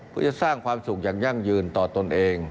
เพื่อจะสร้างความสุขแห่งยืนต่อตนเอง